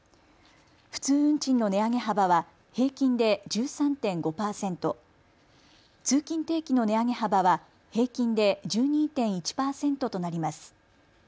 普通運賃の値上げ幅は平均で１３．５％、通勤定期の値上げ幅は平均で１２．１％となります。